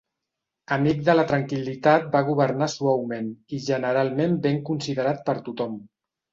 Amic de la tranquil·litat va governar suaument i generalment ben considerat per tothom.